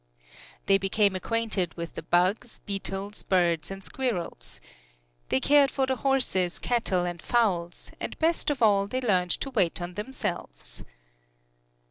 They became acquainted with the bugs, beetles, birds and squirrels. They cared for the horses, cattle and fowls, and best of all they learned to wait on themselves.